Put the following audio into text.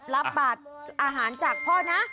รับบาทอาหารจากพ่อนะ